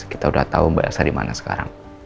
kita udah tau mbak elsa dimana sekarang